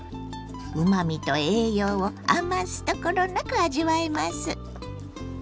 うまみと栄養を余すところなく味わえます。